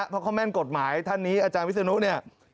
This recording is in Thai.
เพราะเขาแม่นกฎหมายท่านนี้อาจารย์วิศนุเนี่ย